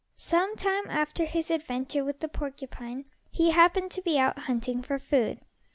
Some time after his adventure with the porcupine, he happened to be out hunting for food.